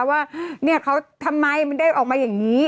ว่าทำไมมันได้ออกมาอย่างนี้